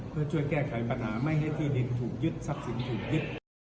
เพื่อช่วยแก้ไขปัญหาไม่ให้ที่ดินถูกยึดทรัพย์สินถูกยึด